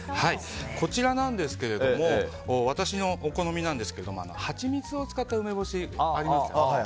こちらなんですけれども私の好みなんですがハチミツを使った梅干しありますよね。